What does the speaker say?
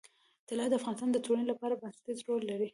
طلا د افغانستان د ټولنې لپاره بنسټيز رول لري.